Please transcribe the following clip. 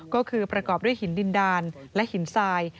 ก็คือประกอบด้วยหินดินดานและหินทราย